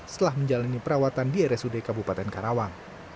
setelah menjalani perawatan di rsud kabupaten karawang